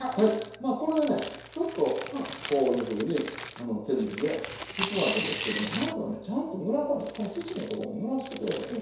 これでねちょっとこういうふうに手水で拭くわけですけどもまずはねちゃんとぬらさないとこのふちのとこもぬらして下さい。